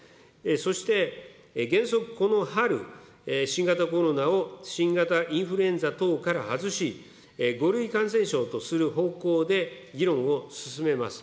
そして、原則この春、新型コロナを新型インフルエンザ等から外し、５類感染症とする方向で議論を進めます。